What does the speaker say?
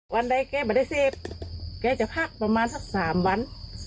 วันใดแกบริเศษแกจะพักประมาณสัก๓วัน